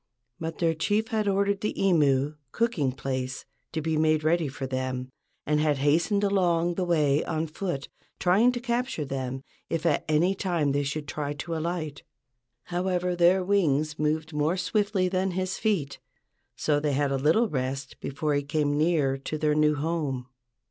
But their chief had ordered the imu (cooking place) to be made ready for them, and had hastened along the way on foot, trying to capture them if at any time they should try to alight. However, their wings moved more swiftly than his feet, so they had a little rest before he came near to their new home.